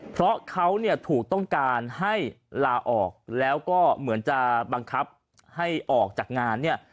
เพราะเขาเนี่ยถูกต้องการให้ลาออกแล้วก็เหมือนจะบังคับให้ออกจากงานเนี่ย